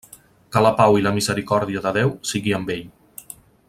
Que la pau i la misericòrdia de Déu sigui amb ell.